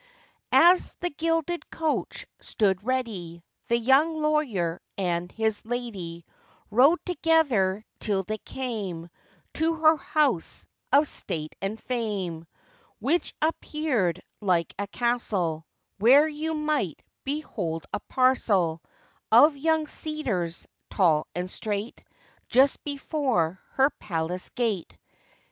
As the gilded coach stood ready, The young lawyer and his lady Rode together, till they came To her house of state and fame; Which appearèd like a castle, Where you might behold a parcel Of young cedars, tall and straight, Just before her palace gate.